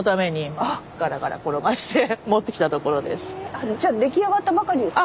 あっじゃあ出来上がったばかりですか？